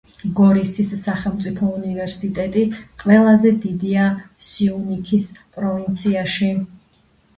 გორისის სახელმწიფო უნივერსიტეტი ყველაზე დიდია სიუნიქის პროვინციაში.